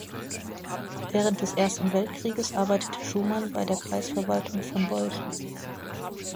Während des Ersten Weltkrieges arbeitete Schuman bei der Kreisverwaltung von Bolchen.